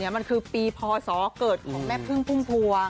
มันคือปีพศเกิดของแม่พึ่งพุ่มพวง